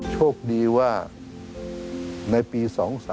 โชคดีว่าในปี๒๓